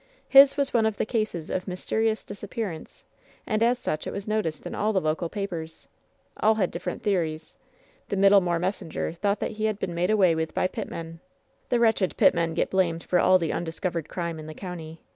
His was one of the cases of ^Mysterious Disappearance,' and as such it was noticed in all the local papers. All had different theories. The Middlemoor Messenger thought that he had been made away with by pitmen. The wretched pitr men get blamed for all the undiscovered crime in the county.